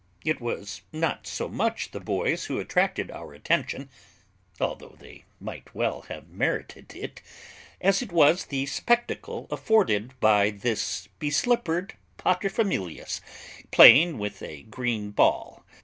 It was not so much the boys who attracted our attention, although they might well have merited it, as it was the spectacle afforded by this beslippered paterfamilias playing with a green ball.